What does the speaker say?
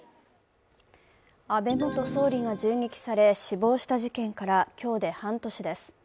安倍元総理が銃撃され死亡した事件から今日で半年です。